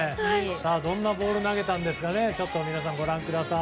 どんなボールを投げたのか皆さん、ご覧ください。